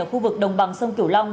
ở khu vực đồng bằng sông kiểu long